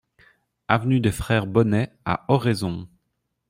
Avenue des Frères Bonnet à Oraison